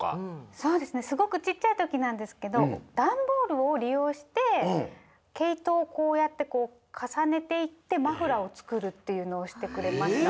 そうですねすごくちっちゃいときなんですけどダンボールをりようしてけいとをこうやってかさねていってマフラーをつくるっていうのをしてくれました。